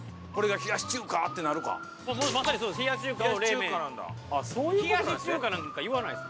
冷やし中華なんか言わないです。